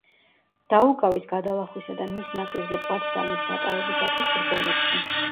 დაუგავის გადალახვისა და მის ნაპირზე პლაცდარმის დაკავებისათვის ბრძოლებში.